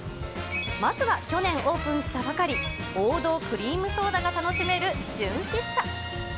まずは去年オープンしたばかり、王道クリームソーダが楽しめる純喫茶。